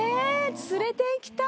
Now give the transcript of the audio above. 連れて行きたい！